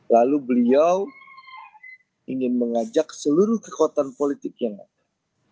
lalu beliau ingin mengajak seluruh kekuatan politik yang ada